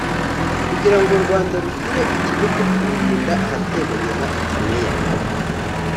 kugira ngo rubanda rugire ikigo cyo kururinda, ahateganye na idumeya